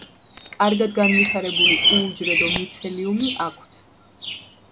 კარგად განვითარებული უუჯრედო მიცელიუმი აქვთ.